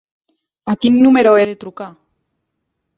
A quin número he de trucar?